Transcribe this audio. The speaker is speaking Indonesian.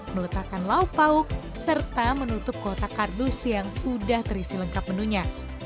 meletakkan lauk pauk serta menutup kotak kardus yang sudah terisi lengkap menunya